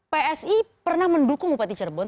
psi pernah mendukung upati cerbon